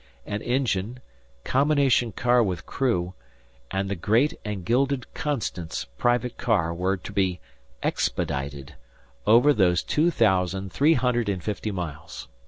An engine, combination car with crew, and the great and gilded "Constance" private car were to be "expedited" over those two thousand three hundred and fifty miles.